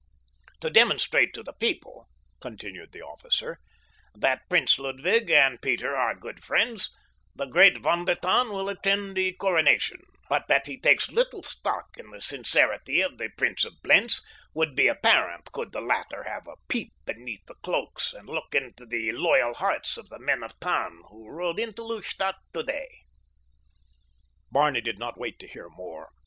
"To demonstrate to the people," continued the officer, "that Prince Ludwig and Peter are good friends, the great Von der Tann will attend the coronation, but that he takes little stock in the sincerity of the Prince of Blentz would be apparent could the latter have a peep beneath the cloaks and look into the loyal hearts of the men of Tann who rode down to Lustadt today." Barney did not wait to hear more.